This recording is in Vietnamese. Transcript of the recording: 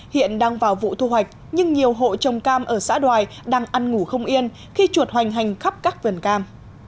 hiện đang vào vụ thu hoạch nhưng nhiều hộ trồng cam ở xã đoài đang ăn ngủ không yên khi chuột hoành hành khắp các vườn cam